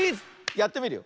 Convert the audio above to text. やってみるよ。